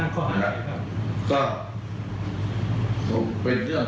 จากที่เค้ารู้ว่าในที่เรียก